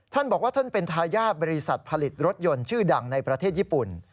ท่านบอกว่าท่านเป็นทายาทบริษัทผลิตรถยนต์ชื่อดังในประเทศญี่ปุ่น